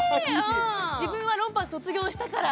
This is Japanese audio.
自分はロンパース卒業したから。